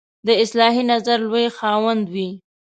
د اصلاحي نظر لوی خاوند وي.